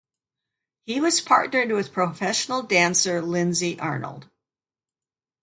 He was partnered with professional dancer Lindsay Arnold.